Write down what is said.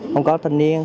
không có thanh niên